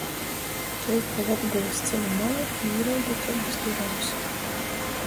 Tu ej pa Latgolys ceļa molu i īraugi taidys durovys.